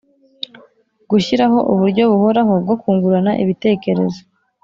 Gushyiraho uburyo buhoraho bwo kungurana ibitekerezo